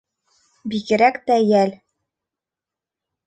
Бигерәк тә йәл